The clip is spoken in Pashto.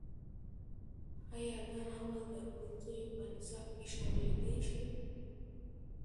ایا دا ناول د ښوونځیو په نصاب کې شاملېدی شي؟